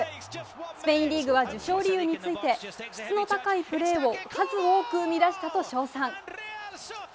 スペインリーグは受賞理由について、質の高いプレーを数多く生み出したと称賛。